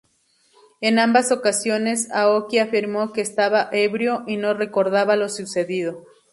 En ambas ocasiones, Aoki afirmó que estaba ebrio y no recordaba lo sucedido.